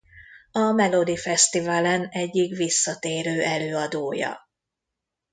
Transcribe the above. A Melodifestivalen egyik visszatérő előadója.